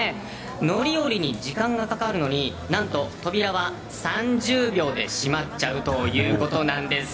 乗り降りに時間がかかるのに何と扉は３０秒で閉まっちゃうということなんです。